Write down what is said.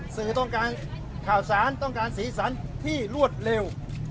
สื่อต้องการข่าวสารต้องการสีสันที่รวดเร็ว